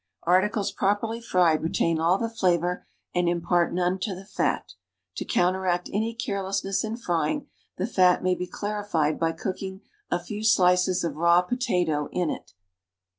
Articles properly fried retain all the flavor and impart none to the fat. To counteract any carelessness in frying, the fat may be clarified by cooking a few slices of raw potato in it.